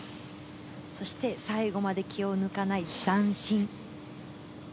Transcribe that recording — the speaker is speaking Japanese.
そして、最後まで気を抜かない残心。